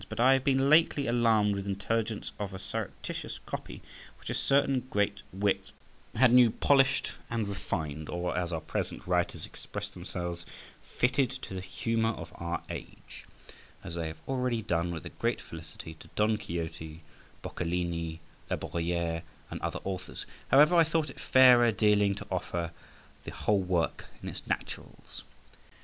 But I have been lately alarmed with intelligence of a surreptitious copy which a certain great wit had new polished and refined, or, as our present writers express themselves, "fitted to the humour of the age," as they have already done with great felicity to Don Quixote, Boccalini, La Bruyère, and other authors. However, I thought it fairer dealing to offer the whole work in its naturals.